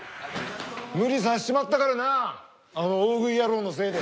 無理させちまったからなあの大食い野郎のせいで。